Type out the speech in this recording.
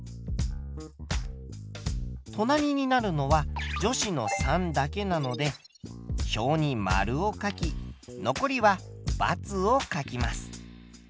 隣になるのは女子の３だけなので表に○を書き残りは×を書きます。